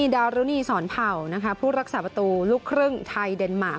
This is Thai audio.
ดารุณีสอนเผ่าผู้รักษาประตูลูกครึ่งไทยเดนมาร์